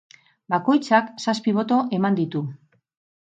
Bakoitzak zazpi boto eman ditu.